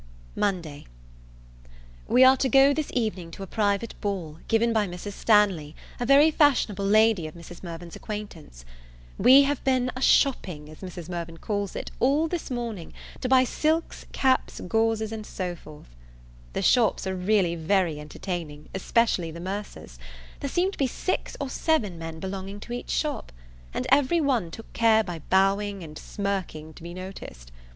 Monday. We are to go this evening to a private ball, given by Mrs. Stanley, a very fashionable lady of Mrs. Mirvan's acquaintance. We have been a shopping as Mrs. Mirvan calls it, all this morning, to buy silks, caps, gauzes, and so forth. The shops are really very entertaining, especially the mercers; there seem to be six or seven men belonging to each shop; and every one took care by bowing and smirking, to be noticed.